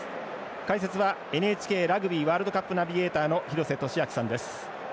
解説はＮＨＫラグビーワールドカップナビゲーターの廣瀬俊朗さんです。